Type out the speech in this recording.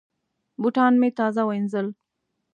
بوټان مې تازه وینځل.